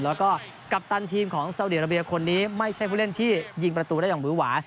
แล้วก็กัปตันทีมของซาวดีอาราเบียคนนี้ไม่ใช่ผู้เล่นที่ยิงประตูได้อย่างบื้อหวา